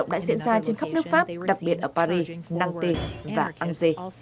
điện ra trên khắp nước pháp đặc biệt ở paris năng tê và angers